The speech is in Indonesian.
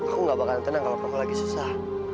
aku gak bakalan tenang kalau kamu lagi susah